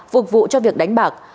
phục vụ cho việc đánh bạc